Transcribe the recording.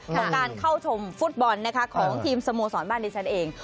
การเข้าชมฟุตบอลของถีมสโมสรบ้านในฉันเอง